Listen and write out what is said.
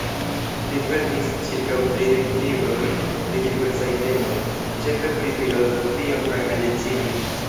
Li verkis ĉirkaŭ tridek librojn pri diversaj temoj, ĉefe pri filozofio kaj medicino.